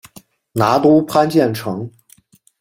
拿督潘健成